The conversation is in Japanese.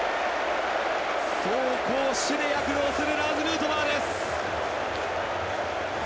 走攻守で躍動するラーズ・ヌートバーです。